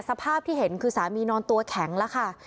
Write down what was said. สภาพที่เห็นคือสามีนอนตัวแข็งแล้วค่ะ